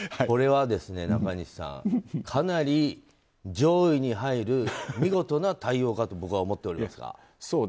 これはですね、中西さんかなり上位に入る見事な対応かと僕は思っておりますが。